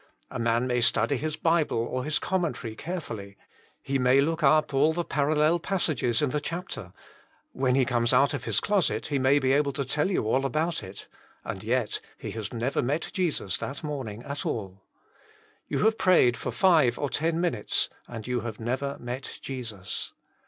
A man may study his Bible or his commentary carefully; he may look up all the parallel passages in the chapter; when he comes out of his closet he may be able to tell you all about it, and yet he has never met Jesus that morning at all. You have prayed for five or ten minutes, and you have never met Jesus.